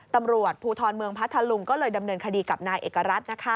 ตำรวจภูทรเมืองพัทธลุงก็เลยดำเนินคดีกับนายเอกรัฐ